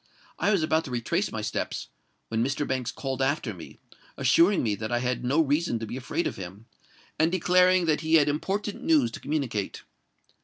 I was about to retrace my steps, when Mr. Banks called after me, assuring me that I had no reason to be afraid of him, and declaring that he had important news to communicate.